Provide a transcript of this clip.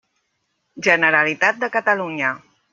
Generalitat de Catalunya.